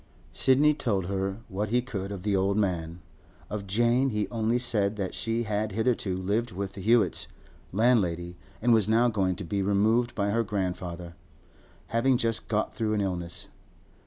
Sidney told her what he could of the old man. Of Jane he only said that she had hitherto lived with the Hewetts' landlady, and was now going to be removed by her grandfather, having just got through an illness.